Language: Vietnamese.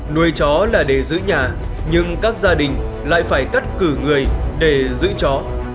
nuôi chó là để giữ nhà nhưng các gia đình lại phải cắt cử người để giữ chó